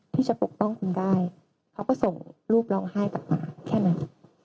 ที่จะปกป้องคุณได้เขาก็ส่งรูปร้องไห้มาแค่นั้น